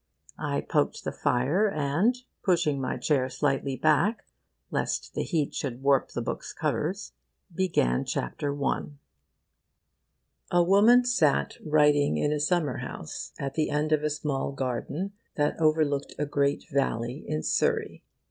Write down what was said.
I poked the fire and, pushing my chair slightly back, lest the heat should warp the book's covers, began Chapter I. A woman sat writing in a summer house at the end of a small garden that overlooked a great valley in Surrey.